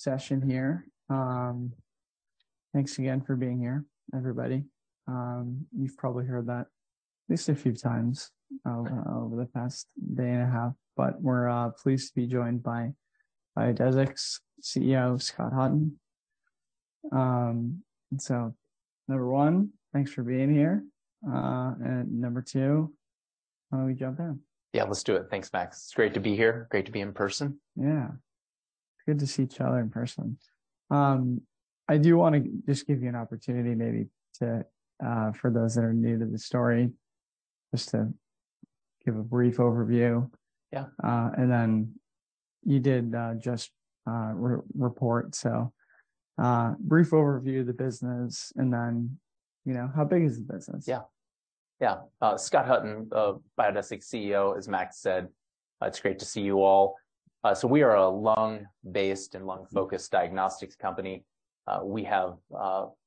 Session here. Thanks again for being here, everybody. You've probably heard that at least a few times over the past day and a half. We're pleased to be joined by Biodesix's CEO, Scott Hutton. Number one, thanks for being here. Number two, why don't we jump in? Yeah, let's do it. Thanks, Max. It's great to be here, great to be in person. Good to see each other in person. I do wanna just give you an opportunity maybe to for those that are new to the story, just to give a brief overview. Yeah. You did, just, re-report, so, brief overview of the business and then, you know, how big is the business? Yeah. Yeah. Scott Hutton of Biodesix's CEO, as Max said. It's great to see you all. We are a lung-based and lung-focused diagnostics company. We have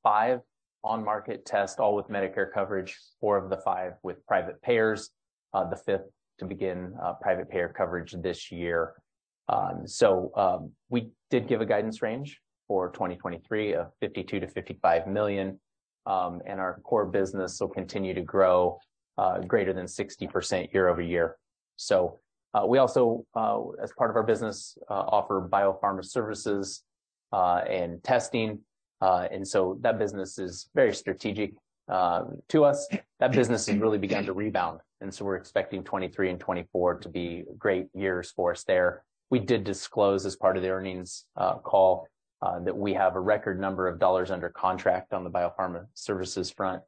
five on-market tests, all with Medicare coverage, four of the five with private payers, the fifth to begin private payer coverage this year. We did give a guidance range for 2023 of $52 million-$55 million, and our core business will continue to grow greater than 60% year-over-year. We also as part of our business offer biopharma services and testing. That business is very strategic to us. That business has really begun to rebound, and we're expecting 2023 and 2024 to be great years for us there. We did disclose as part of the earnings call, that we have a record number of dollars under contract on the biopharma services front.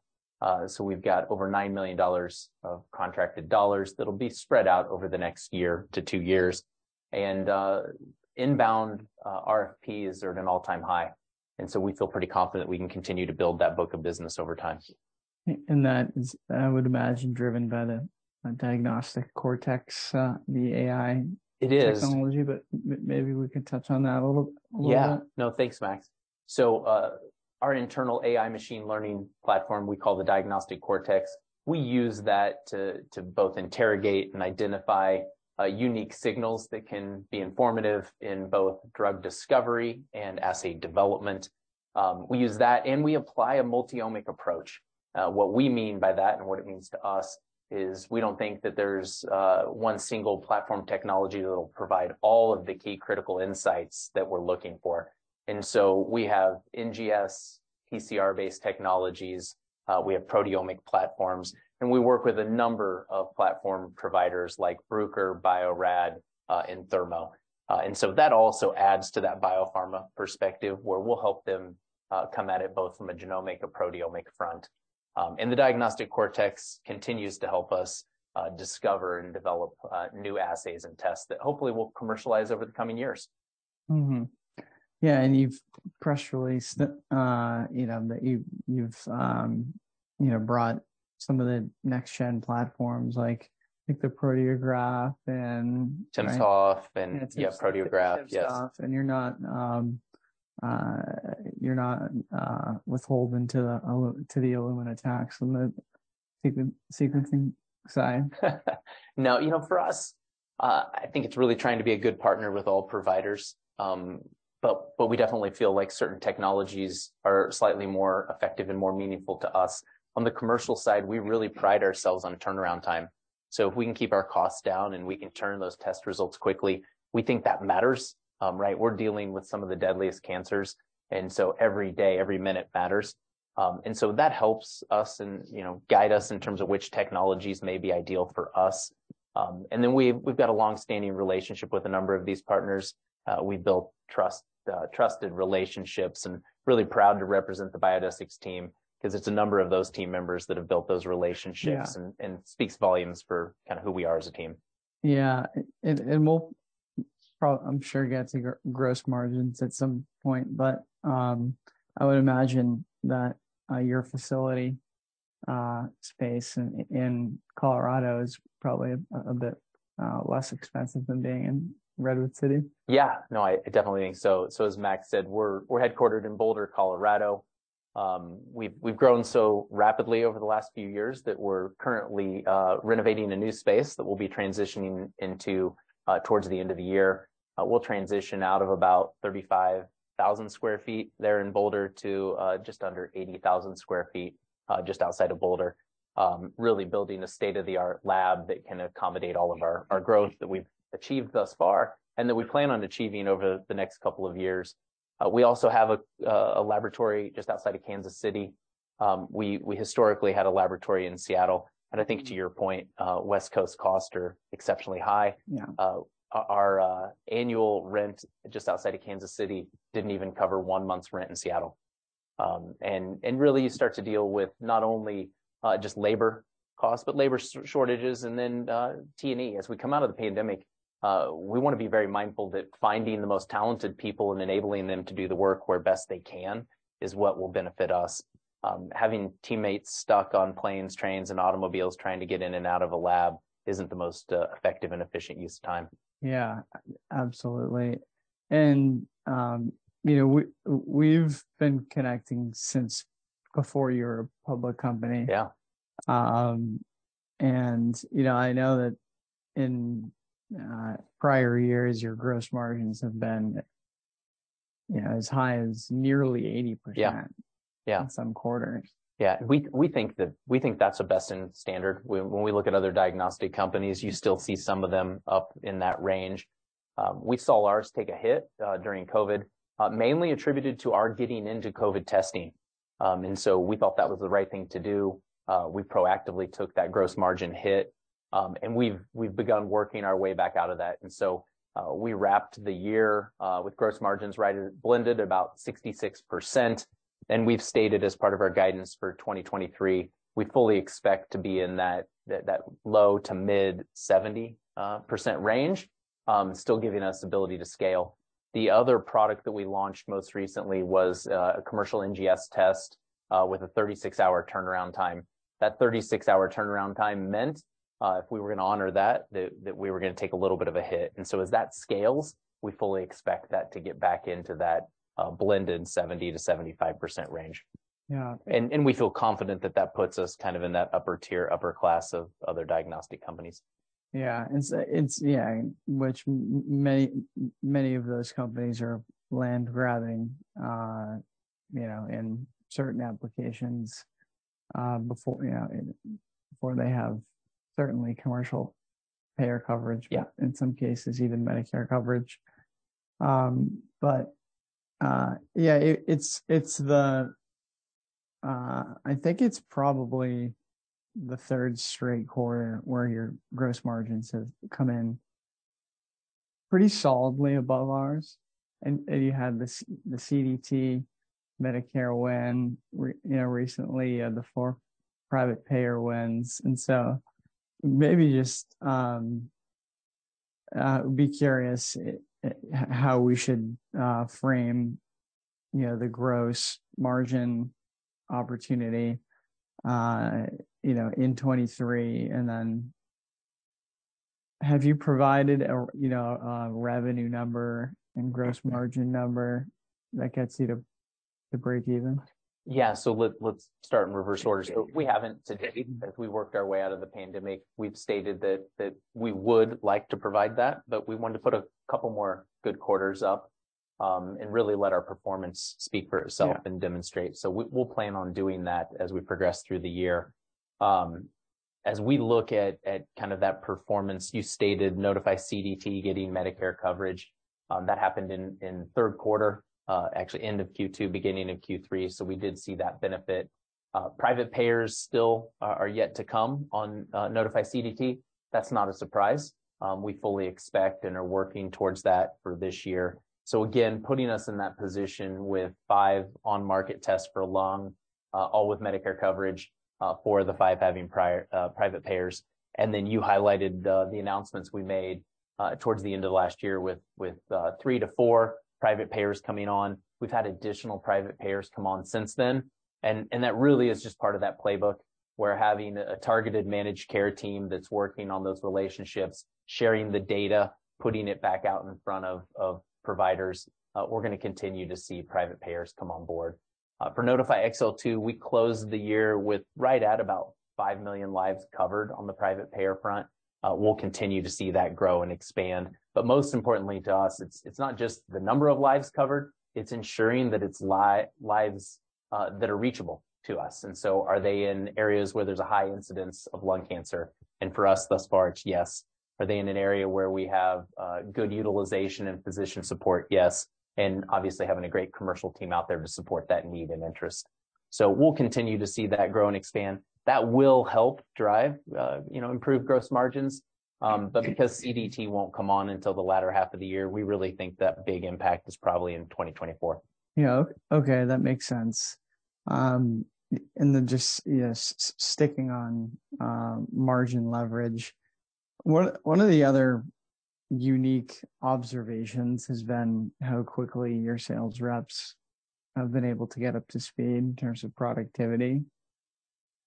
We've got over $9 million of contracted dollars that'll be spread out over the next year to 2 years. Inbound RFPs are at an all-time high, and so we feel pretty confident we can continue to build that book of business over time. That is, I would imagine, driven by the Diagnostic Cortex. It is. technology, but maybe we could touch on that a little bit. Yeah. No, thanks, Max. Our internal AI machine learning platform we call the Diagnostic Cortex. We use that to both interrogate and identify unique signals that can be informative in both drug discovery and assay development. We use that and we apply a multi-omic approach. What we mean by that and what it means to us is we don't think that there's one single platform technology that'll provide all of the key critical insights that we're looking for. We have NGS, PCR-based technologies, we have proteomic platforms, and we work with a number of platform providers like Bruker, Bio-Rad, and Thermo. That also adds to that biopharma perspective, where we'll help them come at it both from a genomic and proteomic front. The Diagnostic Cortex continues to help us discover and develop new assays and tests that hopefully we'll commercialize over the coming years. Yeah, you've press released, you know, that you've, you know, brought some of the next gen platforms like the Proteograph and timsTOF and yeah, Proteograph. Yes. timsTOF, you're not withholding to the Illumina tax on the sequencing side. You know, for us, I think it's really trying to be a good partner with all providers. We definitely feel like certain technologies are slightly more effective and more meaningful to us. On the commercial side, we really pride ourselves on turnaround time, so if we can keep our costs down and we can turn those test results quickly, we think that matters, right? We're dealing with some of the deadliest cancers, every day, every minute matters. That helps us and, you know, guide us in terms of which technologies may be ideal for us. We've got a long-standing relationship with a number of these partners. We've built trust, trusted relationships and really proud to represent the Biodesix's team 'cause it's a number of those team members that have built those relationships. Yeah Speaks volumes for kinda who we are as a team. Yeah. I'm sure get to gross margins at some point, but, I would imagine that, your facility, space in Colorado is probably a bit less expensive than being in Redwood City. Yeah. No, I definitely think so. As Max said, we're headquartered in Boulder, Colorado. We've grown so rapidly over the last few years that we're currently renovating a new space that we'll be transitioning into towards the end of the year. We'll transition out of about 35,000 sq ft there in Boulder to just under 80,000 sq ft just outside of Boulder, really building a state-of-the-art lab that can accommodate all of our growth that we've achieved thus far and that we plan on achieving over the next couple of years. We also have a laboratory just outside of Kansas City. We historically had a laboratory in Seattle. I think to your point, West Coast costs are exceptionally high. Yeah. Our annual rent just outside of Kansas City didn't even cover one month's rent in Seattle. Really you start to deal with not only just labor costs, but labor shortages and then T&E. As we come out of the pandemic, we wanna be very mindful that finding the most talented people and enabling them to do the work where best they can is what will benefit us. Having teammates stuck on planes, trains, and automobiles trying to get in and out of a lab isn't the most effective and efficient use of time. Yeah. Absolutely. You know, we've been connecting since before you were a public company. Yeah. You know, I know that in prior years, your gross margins have been, you know, as high as nearly 80%. Yeah, yeah. in some quarters. We think that's a best in standard. When we look at other diagnostic companies, you still see some of them up in that range. We saw ours take a hit during COVID, mainly attributed to our getting into COVID testing. We thought that was the right thing to do. We proactively took that gross margin hit, and we've begun working our way back out of that. We wrapped the year with gross margins right at blended about 66%, and we've stated as part of our guidance for 2023, we fully expect to be in that low to mid 70% range, still giving us ability to scale. The other product that we launched most recently was a commercial NGS test with a 36-hour turnaround time. That 36-hour turnaround time meant if we were gonna honor that, we were gonna take a little bit of a hit. As that scales, we fully expect that to get back into that blended 70%-75% range. Yeah. We feel confident that that puts us kind of in that upper tier, upper class of other diagnostic companies. Yeah. Yeah, which many of those companies are land grabbing, you know, in certain applications, before, you know, before they have certainly commercial payer coverage. Yeah... in some cases, even Medicare coverage. Yeah, it's, it's the... I think it's probably the third straight quarter where your gross margins have come in pretty solidly above ours, and you had the CDT Medicare win you know, recently, the four private payer wins. Maybe just, be curious, how we should frame, you know, the gross margin opportunity, you know, in 2023, and then have you provided a, you know, a revenue number and gross margin number that gets you to breakeven? Yeah. Let's start in reverse order. We haven't to date. As we worked our way out of the pandemic, we've stated that we would like to provide that, but we wanted to put a couple more good quarters up and really let our performance speak for itself. Yeah and demonstrate. We'll plan on doing that as we progress through the year. As we look at kind of that performance, you stated Nodify CDT getting Medicare coverage, that happened in third quarter, actually end of Q2, beginning of Q3, so we did see that benefit. Private payers still are yet to come on Nodify CDT. That's not a surprise. We fully expect and are working towards that for this year. Again, putting us in that position with five on-market tests for lung, all with Medicare coverage, four of the five having private payers. You highlighted the announcements we made towards the end of last year with three to four private payers coming on. We've had additional private payers come on since then, and that really is just part of that playbook, where having a targeted managed care team that's working on those relationships, sharing the data, putting it back out in front of providers, we're gonna continue to see private payers come on board. For Nodify XL2, we closed the year with right at about five million lives covered on the private payer front. We'll continue to see that grow and expand. Most importantly to us, it's not just the number of lives covered, it's ensuring that it's lives that are reachable to us. Are they in areas where there's a high incidence of lung cancer? For us, thus far, it's yes. Are they in an area where we have good utilization and physician support? Yes. Obviously having a great commercial team out there to support that need and interest. We'll continue to see that grow and expand. That will help drive, you know, improve gross margins, but because CDT won't come on until the latter half of the year, we really think that big impact is probably in 2024. Yeah. Okay, that makes sense. Then just, yes, sticking on margin leverage, one of the other unique observations has been how quickly your sales reps have been able to get up to speed in terms of productivity.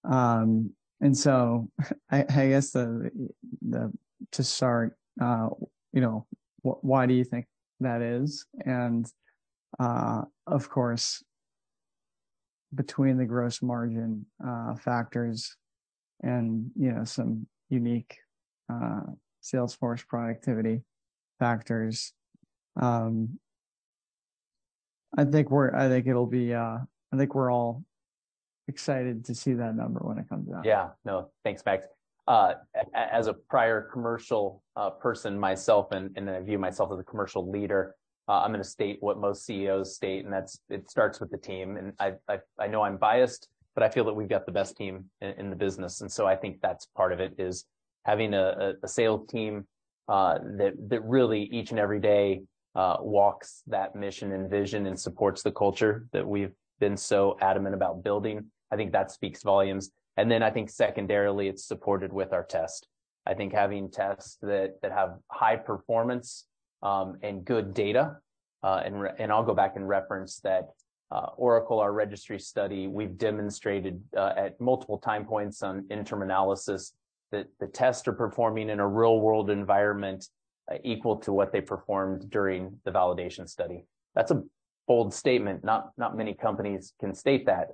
I guess to start, you know, why do you think that is? Of course, between the gross margin factors and, you know, some unique Salesforce productivity factors, I think it'll be, I think we're all excited to see that number when it comes out. Yeah thanks, Max. As a prior commercial person myself, and I view myself as a commercial leader, I'm gonna state what most CEOs state, and that's it starts with the team. I've I know I'm biased, but I feel that we've got the best team in the business. I think that's part of it, is having a sales team that really each and every day walks that mission and vision and supports the culture that we've been so adamant about building. I think that speaks volumes. I think secondarily, it's supported with our test. I think having tests that have high performance, I'll go back and reference that ORACLE, our registry study, we've demonstrated at multiple time points on interim analysis that the tests are performing in a real-world environment, equal to what they performed during the validation study. That's a bold statement, not many companies can state that.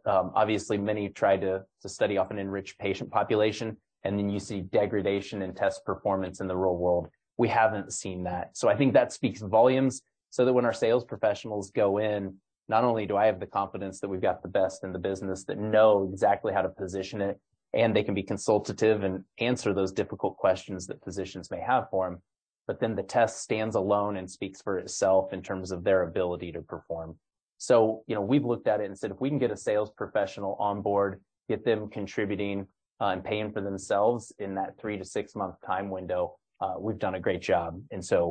Many try to study off an enriched patient population, and then you see degradation in test performance in the real world. We haven't seen that. I think that speaks volumes so that when our sales professionals go in, not only do I have the confidence that we've got the best in the business that know exactly how to position it, and they can be consultative and answer those difficult questions that physicians may have for them, but then the test stands alone and speaks for itself in terms of their ability to perform. You know, we've looked at it and said, "If we can get a sales professional on board, get them contributing, and paying for themselves in that three to six-month time window, we've done a great job. Mm-hmm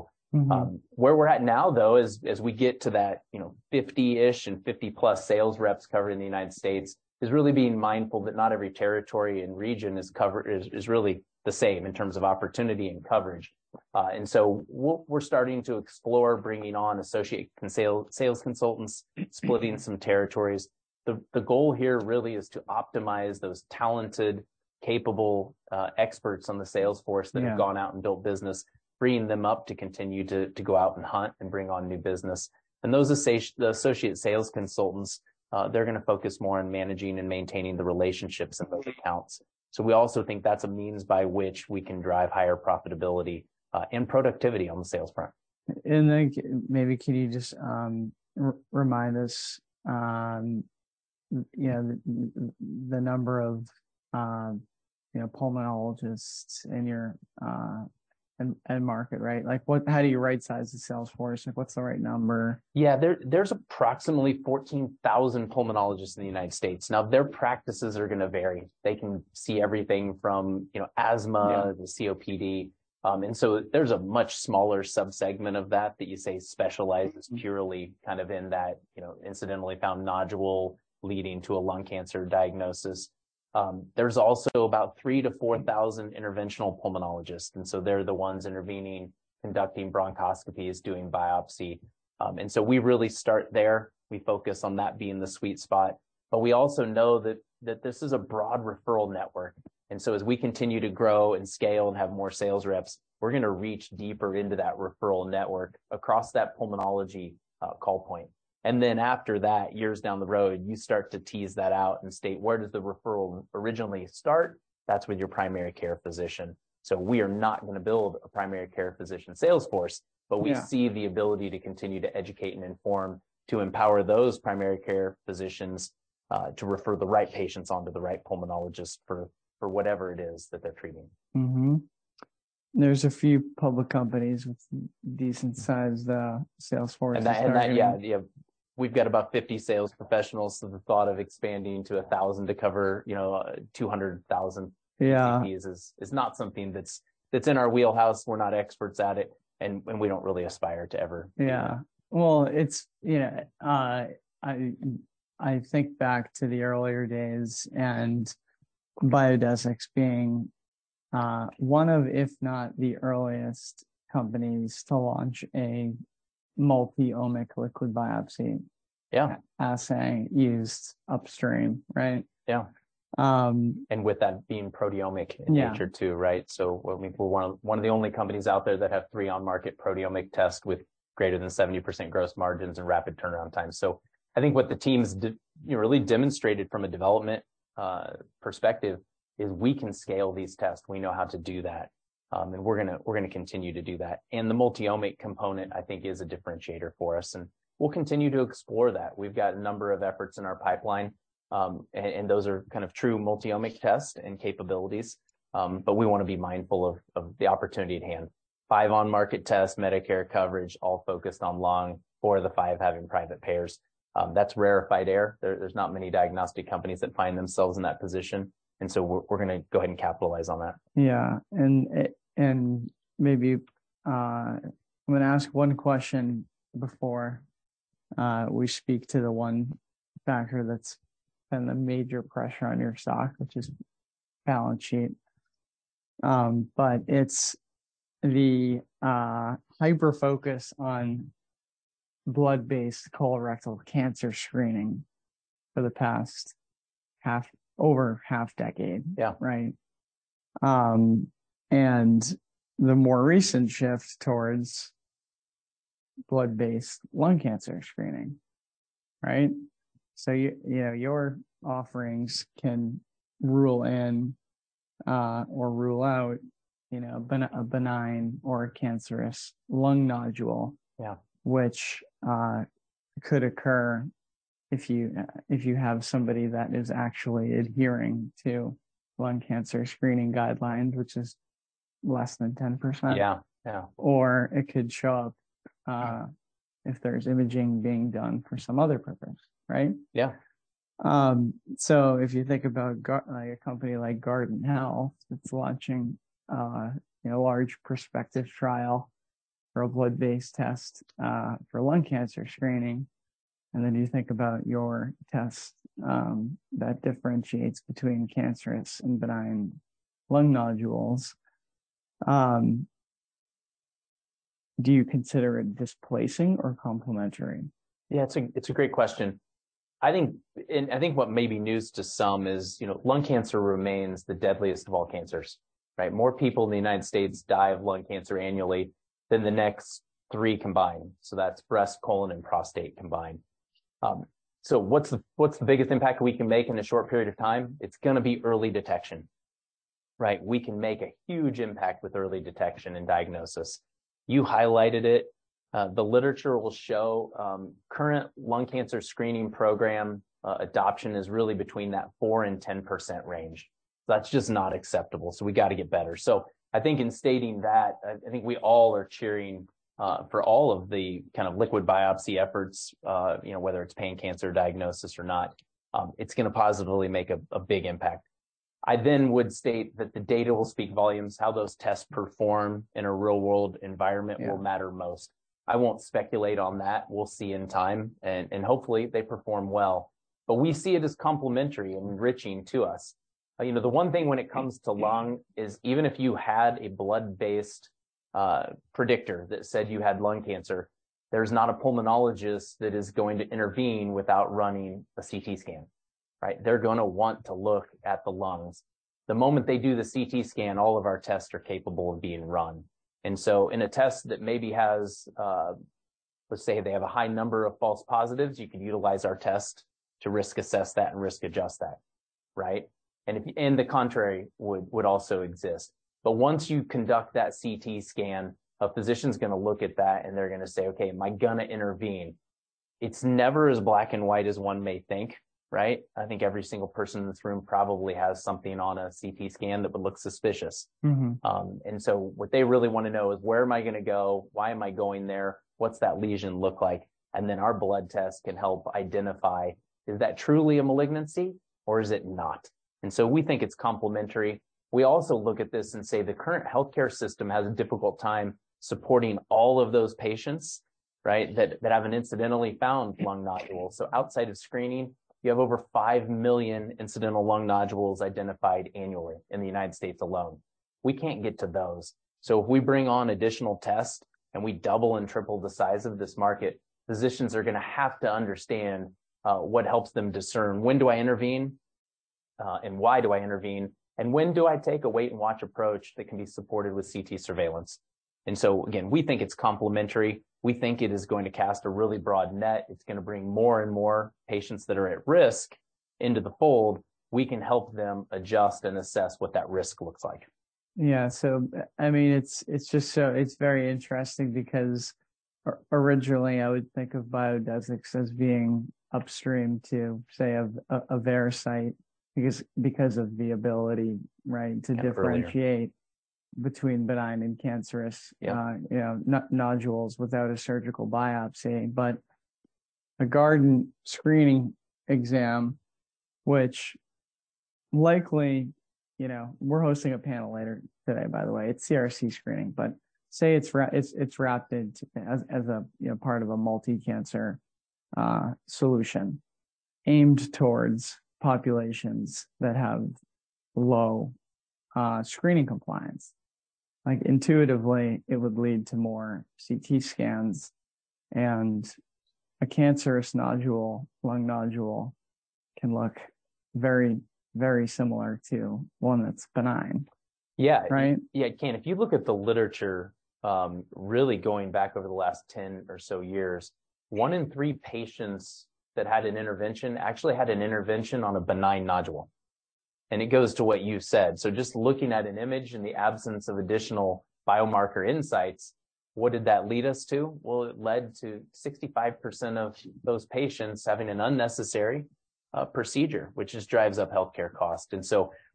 where we're at now though is as we get to that, you know, 50-ish and 50-plus sales reps covered in the United States, is really being mindful that not every territory and region is really the same in terms of opportunity and coverage. We're starting to explore bringing on associate sales consultants. Mm splitting some territories. The goal here really is to optimize those talented, capable experts on the sales force. Yeah that have gone out and built business, freeing them up to continue to go out and hunt and bring on new business. Those associate sales consultants, they're gonna focus more on managing and maintaining the relationships and those accounts. We also think that's a means by which we can drive higher profitability and productivity on the sales front. Maybe can you just remind us, you know, the number of, you know, pulmonologists in your end market, right? Like, what how do you right size the sales force? Like, what's the right number? Yeah. There's approximately 14,000 pulmonologists in the United States. Now, their practices are gonna vary. They can see everything from, you know, asthma. Yeah to COPD. There's a much smaller sub-segment of that that you say. Mm-hmm purely kind of in that, you know, incidentally found nodule leading to a lung cancer diagnosis. There's also about 3,000-4,000 interventional pulmonologists, and so they're the ones intervening, conducting bronchoscopies, doing biopsy. We really start there. We focus on that being the sweet spot. We also know that this is a broad referral network, and so as we continue to grow and scale and have more sales reps, we're gonna reach deeper into that referral network across that pulmonology call point. After that, years down the road, you start to tease that out and state, where does the referral originally start? That's with your primary care physician. We are not gonna build a primary care physician sales force. Yeah but we see the ability to continue to educate and inform to empower those primary care physicians, to refer the right patients onto the right pulmonologist for whatever it is that they're treating. There's a few public companies with decent sized sales forces. That yeah. We've got about 50 sales professionals, so the thought of expanding to 1,000 to cover, you know, 200,000 Yeah is not something that's in our wheelhouse. We're not experts at it and we don't really aspire to ever be. Yeah. Well, it's. You know, I think back to the earlier days and Biodesix being, one of, if not the earliest companies to launch a multi-omic liquid biopsy Yeah assay used upstream, right? Yeah. Um With that being proteomic Yeah in nature too, right? I mean, we're one of the only companies out there that have three on-market proteomic tests with greater than 70% gross margins and rapid turnaround time. I think what the teams you know, really demonstrated from a development perspective is we can scale these tests. We know how to do that. We're gonna continue to do that. The multi-omic component, I think is a differentiator for us, and we'll continue to explore that. We've got a number of efforts in our pipeline, and those are kind of true multi-omic tests and capabilities. We wanna be mindful of the opportunity at hand. Five on-market tests, Medicare coverage, all focused on lung, four of the five having private payers. That's rare by dare. There's not many diagnostic companies that find themselves in that position, and so we're gonna go ahead and capitalize on that. Yeah. Maybe I'm gonna ask one question before, we speak to the one factor that's been the major pressure on your stock, which is balance sheet. It's the hyper-focus on blood-based colorectal cancer screening for the past half, over half decade. Yeah. Right? The more recent shift towards blood-based lung cancer screening, right? You know, your offerings can rule in, or rule out, you know, a benign or a cancerous lung nodule. Yeah which could occur if you, if you have somebody that is actually adhering to lung cancer screening guidelines, which is less than 10%. Yeah. Yeah. or it could show up, if there's imaging being done for some other purpose, right? Yeah. If you think about Guardant like a company like Guardant Health that's launching, you know, a large prospective trial for a blood-based test, for lung cancer screening, and then you think about your test, that differentiates between cancerous and benign lung nodules, do you consider it displacing or complementary? Yeah. It's a, it's a great question. I think what may be news to some is, you know, lung cancer remains the deadliest of all cancers, right? More people in the United States die of lung cancer annually than the next three combined. That's breast, colon, and prostate combined. What's the, what's the biggest impact we can make in a short period of time? It's gonna be early detection, right? We can make a huge impact with early detection and diagnosis. You highlighted it. The literature will show, current lung cancer screening program adoption is really between that 4% and 10% range. That's just not acceptable, we gotta get better. I think in stating that, I think we all are cheering for all of the kind of liquid biopsy efforts, you know, whether it's pan-cancer diagnosis or not. It's gonna positively make a big impact. I then would state that the data will speak volumes. How those tests perform in a real-world environment. Yeah will matter most. I won't speculate on that. We'll see in time and hopefully they perform well. We see it as complementary and enriching to us. You know, the one thing when it comes to lung is even if you had a blood-based predictor that said you had lung cancer, there's not a pulmonologist that is going to intervene without running a CT scan, right? They're gonna want to look at the lungs. The moment they do the CT scan, all of our tests are capable of being run. So in a test that maybe has, let's say they have a high number of false positives, you can utilize our test to risk assess that and risk adjust that, right? The contrary would also exist. Once you conduct that CT scan, a physician's gonna look at that, and they're gonna say, "Okay. Am I gonna intervene?" It's never as black and white as one may think, right? I think every single person in this room probably has something on a CT scan that would look suspicious. Mm-hmm. What they really wanna know is, "Where am I gonna go? Why am I going there? What's that lesion look like?" Our blood test can help identify is that truly a malignancy or is it not. We think it's complementary. We also look at this and say the current healthcare system has a difficult time supporting all of those patients, right, that have an incidentally found lung nodule. Outside of screening, you have over 5 million incidental lung nodules identified annually in the United States alone. We can't get to those. If we bring on additional tests and we double and triple the size of this market, physicians are gonna have to understand what helps them discern when do I intervene and why do I intervene, and when do I take a wait and watch approach that can be supported with CT surveillance? Again, we think it's complementary. We think it is going to cast a really broad net. It's gonna bring more and more patients that are at risk into the fold. We can help them adjust and assess what that risk looks like. Yeah. I mean, it's just so it's very interesting because originally I would think of Biodesix as being upstream to, say, a Veracyte because of the ability, right? Yeah to differentiate between benign and cancerous. Yeah nodules without a surgical biopsy. A Guardant screening exam which likely, you know. We're hosting a panel later today by the way. It's CRC screening. Say it's wrapped into as a, you know, part of a multi-cancer solution aimed towards populations that have low screening compliance. Intuitively it would lead to more CT scans, and a cancerous nodule, lung nodule can look very, very similar to one that's benign. Yeah. Right? Yeah. It can. If you look at the literature, really going back over the last 10 or so years, one in three patients that had an intervention actually had an intervention on a benign nodule. It goes to what you said. Just looking at an image in the absence of additional biomarker insights, what did that lead us to? It led to 65% of those patients having an unnecessary procedure, which just drives up healthcare costs.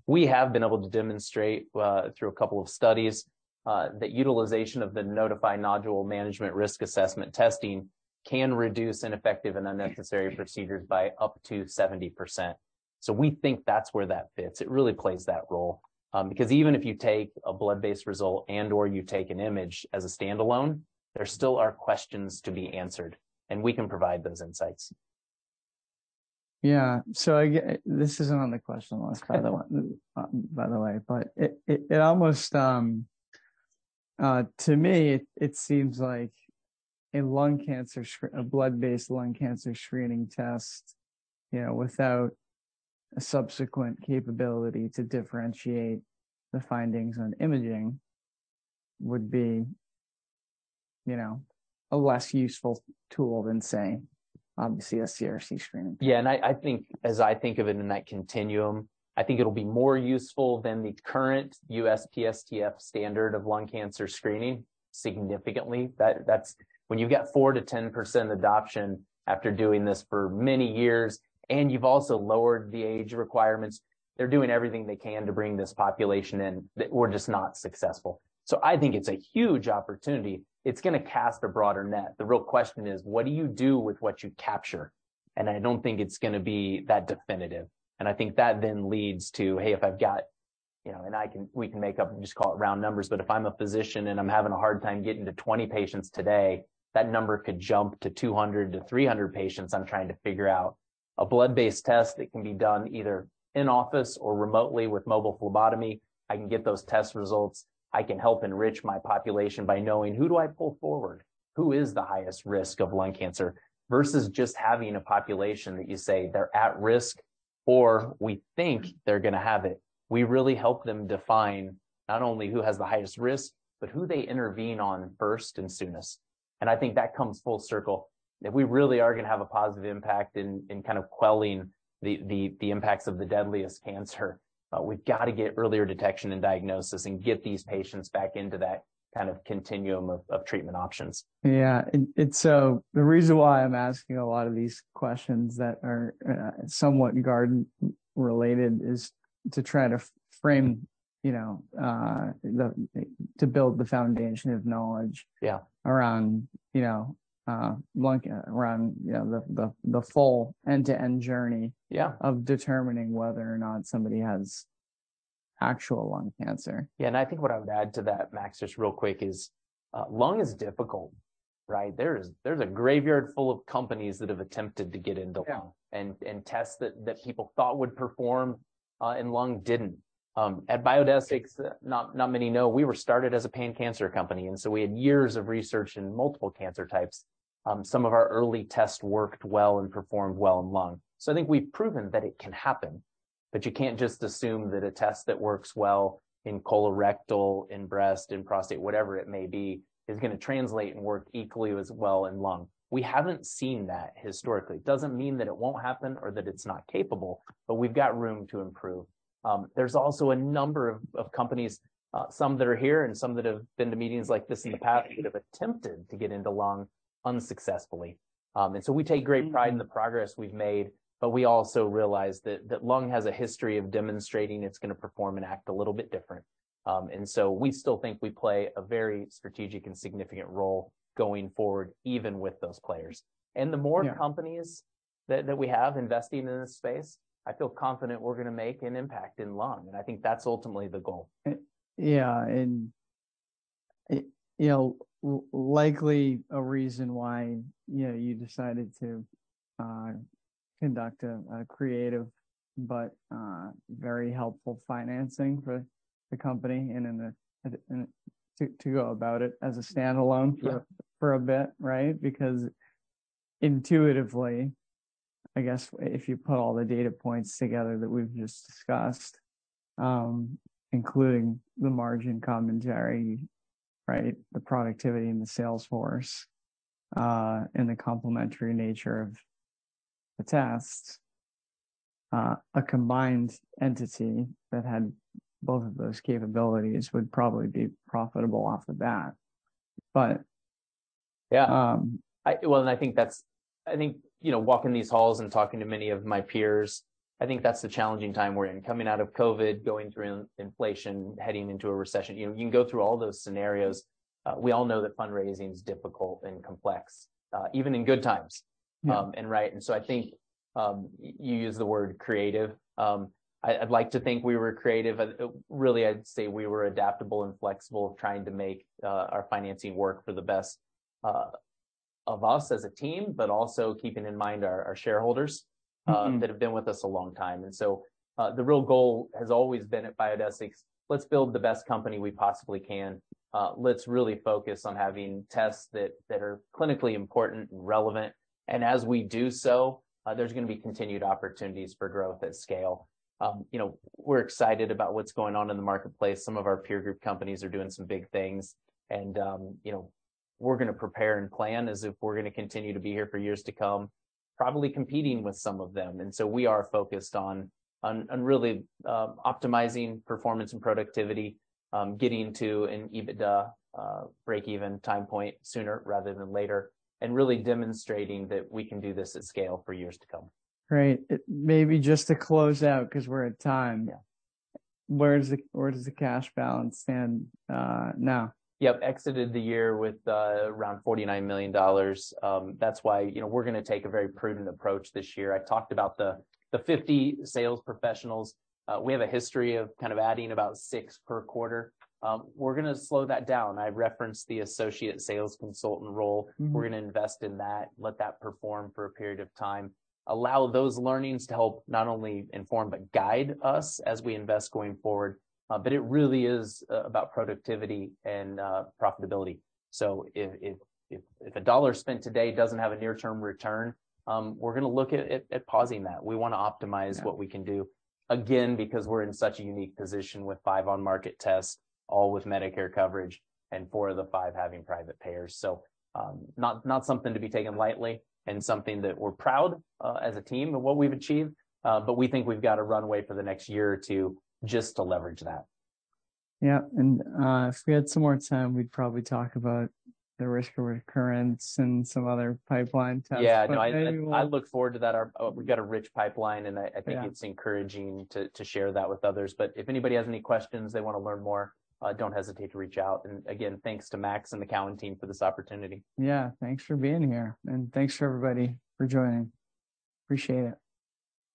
We have been able to demonstrate, through a couple of studies, that utilization of the Nodify nodule management risk assessment testing can reduce ineffective and unnecessary procedures by up to 70%. We think that's where that fits. It really plays that role. Even if you take a blood-based result and/or you take an image as a standalone, there still are questions to be answered, and we can provide those insights. Yeah. Again, this isn't on the question list... Okay By the way, but it almost. To me it seems like a blood-based lung cancer screening test, you know, without a subsequent capability to differentiate the findings on imaging would be, you know, a less useful tool than, say, obviously a CRC screening. Yeah. I think as I think of it in that continuum, I think it'll be more useful than the current USPSTF standard of lung cancer screening significantly. That's when you've got 4%-10% adoption after doing this for many years and you've also lowered the age requirements, they're doing everything they can to bring this population in that were just not successful. I think it's a huge opportunity. It's gonna cast a broader net. The real question is what do you do with what you capture, and I don't think it's gonna be that definitive. I think that then leads to, hey, you know, we can make up and just call it round numbers, but if I'm a physician and I'm having a hard time getting to 20 patients today, that number could jump to 200-300 patients I'm trying to figure out. A blood-based test that can be done either in office or remotely with mobile phlebotomy, I can get those test results, I can help enrich my population by knowing who do I pull forward, who is the highest risk of lung cancer, versus just having a population that you say they're at risk or we think they're gonna have it. We really help them define not only who has the highest risk, but who they intervene on first and soonest. I think that comes full circle. If we really are gonna have a positive impact in kind of quelling the impacts of the deadliest cancer, we've gotta get earlier detection and diagnosis and get these patients back into that kind of continuum of treatment options. Yeah. The reason why I'm asking a lot of these questions that are, somewhat Guardant related is to try to frame, you know, to build the foundation of knowledge. Yeah around, you know, lung, around, you know, the full end-to-end journey. Yeah of determining whether or not somebody has actual lung cancer. Yeah. I think what I would add to that, Max, just real quick, is, lung is difficult, right? There's a graveyard full of companies that have attempted to get into lung. Yeah and tests that people thought would perform in lung didn't. At Biodesix, not many know we were started as a pan-cancer company. We had years of research in multiple cancer types. Some of our early tests worked well and performed well in lung. I think we've proven that it can happen, but you can't just assume that a test that works well in colorectal, in breast, in prostate, whatever it may be, is gonna translate and work equally as well in lung. We haven't seen that historically. Doesn't mean that it won't happen or that it's not capable, but we've got room to improve. There's also a number of companies, some that are here and some that have been to meetings like this in the past that have attempted to get into lung unsuccessfully. We take great pride in the progress we've made, but we also realize that that lung has a history of demonstrating it's gonna perform and act a little bit different. So we still think we play a very strategic and significant role going forward, even with those players. Yeah. The more companies that we have investing in this space, I feel confident we're gonna make an impact in lung, and I think that's ultimately the goal. Yeah. you know, likely a reason why, you know, you decided to conduct a creative but very helpful financing for the company and in a to go about it as a standalone Yeah for a bit, right? Because intuitively, I guess if you put all the data points together that we've just discussed, including the margin commentary, right, the productivity and the sales force, and the complementary nature of the tests, a combined entity that had both of those capabilities would probably be profitable off the bat. Well, I think that's... I think, you know, walking these halls and talking to many of my peers, I think that's the challenging time we're in. Coming out of COVID, going through inflation, heading into a recession. You know, you can go through all those scenarios, we all know that fundraising's difficult and complex, even in good times. Yeah. Right. I think, you used the word creative. I'd like to think we were creative. really I'd say we were adaptable and flexible trying to make, our financing work for the best, of us as a team, but also keeping in mind our shareholders. Mm-hmm that have been with us a long time. The real goal has always been at Biodesix, let's build the best company we possibly can. Let's really focus on having tests that are clinically important and relevant. As we do so, there's gonna be continued opportunities for growth at scale. You know, we're excited about what's going on in the marketplace. Some of our peer group companies are doing some big things and, you know, we're gonna prepare and plan as if we're gonna continue to be here for years to come, probably competing with some of them. We are focused on really optimizing performance and productivity, getting to an EBITDA break-even time point sooner rather than later, and really demonstrating that we can do this at scale for years to come. Great. Maybe just to close out 'cause we're at time. Yeah Where does the cash balance stand now? Yep. Exited the year with around $49 million. That's why, you know, we're gonna take a very prudent approach this year. I talked about the 50 sales professionals. We have a history of kind of adding about six per quarter. We're gonna slow that down. I referenced the associate sales consultant role. Mm-hmm. We're gonna invest in that, let that perform for a period of time, allow those learnings to help not only inform, but guide us as we invest going forward. It really is about productivity and profitability. If $1 spent today doesn't have a near-term return, we're gonna look at pausing that. Yeah what we can do, again, because we're in such a unique position with 5 on-market tests, all with Medicare coverage, and four of the five having private payers. Not something to be taken lightly and something that we're proud as a team of what we've achieved, we think we've got a runway for the next year or two just to leverage that. Yeah. If we had some more time, we'd probably talk about the risk of recurrence and some other pipeline tests. Yeah. Anyway. I look forward to that. We've got a rich pipeline, and I Yeah I think it's encouraging to share that with others. If anybody has any questions, they wanna learn more, don't hesitate to reach out. Again, thanks to Max and the Cowen team for this opportunity. Yeah. Thanks for being here, and thanks for everybody for joining. Appreciate it.